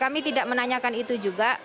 kami tidak menanyakan itu juga